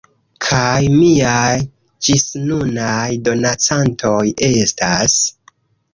Kaj miaj ĝisnunaj donacantoj estas....